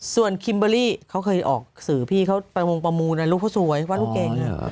ส่วนคิมเบอร์รี่เขาเคยออกสื่อพี่เขาไปวงประมูลลูกเขาสวยวาดลูกเก่ง